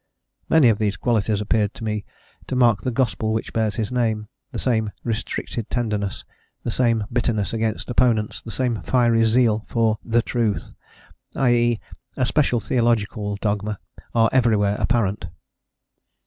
Many of these qualities appear to me to mark the gospel which bears his name; the same restricted tenderness, the same bitterness against opponents, the same fiery zeal for "the truth," i.e., a special theological dogma, are everywhere apparent.